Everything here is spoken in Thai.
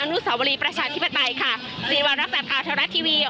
อนุสาวริประชาธิปไตยค่ะนิวัลรักษณ์อาทาระทีวี